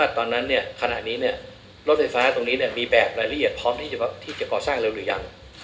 ขณะนี้บริเวณรถไฟฟ้ามีแบบละละเอียดพร้อมก่อสร้างหรือยัง